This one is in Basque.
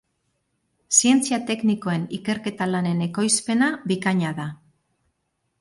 Zientzia teknikoen ikerketa lanen ekoizpena bikaina da.